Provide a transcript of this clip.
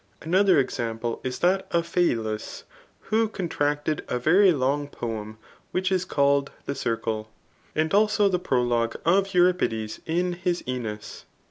Another example is that of Phayllus, [who contracted a very long poem which was called^ the circle, and also the prologue of Euripides in his (Eneus.